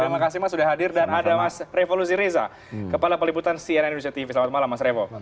terima kasih mas sudah hadir dan ada mas revo lusiriza kepala peliputan cnn indonesia tv selamat malam mas revo